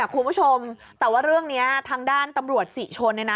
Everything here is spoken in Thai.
คุณผู้ชมแต่ว่าเรื่องนี้ทางด้านตำรวจศรีชน